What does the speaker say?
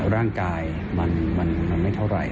ร่างกายมันไม่เท่าไหร่